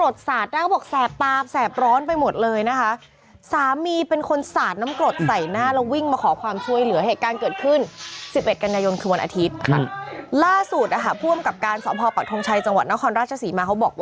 ตัวสามีที่เป็นคนก่อเหตุเนี่ยนะมามอบตัวแล้ว